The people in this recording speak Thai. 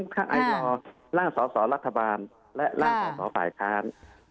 ถ้าไอลอร์ร่างสอสอรัฐบาลและร่างสอสอฝ่ายค้าน